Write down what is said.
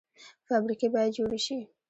فابریکې باید جوړې شي